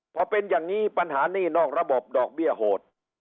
พอเป็นอย่างนี้ปัญหานี่นอกระบบดอกเบี้ยโหด